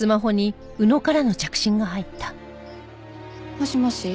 もしもし？